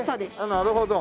なるほど。